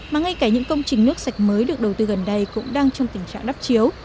mà ngay cả những công trình nước sạch mới được đầu tư gần đây cũng đang trong tình trạng đắp chiếu